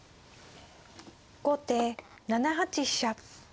後手７八飛車。